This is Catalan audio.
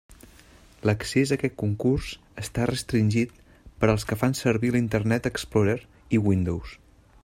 L'accés a aquest concurs està restringit als que fan servir l'Internet Explorer i Windows.